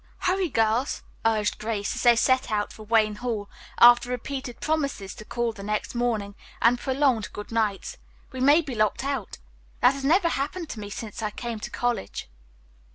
"Hurry, girls," urged Grace, as they set out for Wayne Hall, after repeated promises to call the next morning and prolonged good nights, "we may be locked out. That has never happened to me since I came to college."